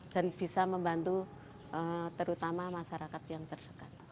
dan bisa membantu terutama masyarakat yang terdekat